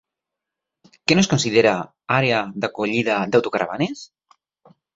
Què no es considera àrea d'acollida d'autocaravanes?